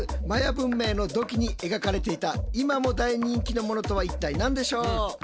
マヤ文明の土器に描かれていた今も大人気のものとは一体何でしょう？え！？